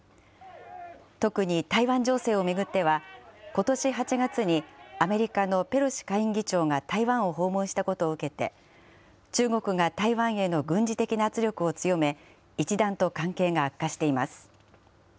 特に台湾情勢を巡っては、ことし８月にアメリカのペロシ下院議長が台湾を訪問したことを受けて、中国が台湾への軍事的な圧力を強め、一段と関係が悪化しています。